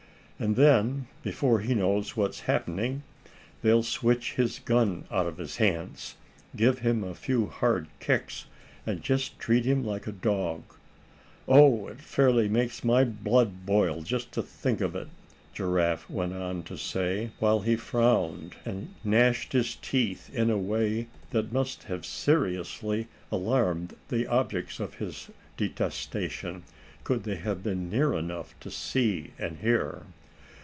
"And then, before he knows what's happening, they'll switch his gun out of his hands, give him a few hard kicks, and just treat him like a dog. Oh! it fairly makes my blood boil just to think of it," Giraffe went on to say, while he frowned, and gnashed his teeth in a way that must have seriously alarmed the objects of his detestation, could they have been near enough to see and hear.